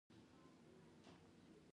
هېواد د درناوي مستحق دی.